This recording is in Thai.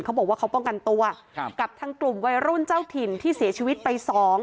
เขาบอกว่าเขาป้องกันตัวครับกับทางกลุ่มวัยรุ่นเจ้าถิ่นที่เสียชีวิตไปสอง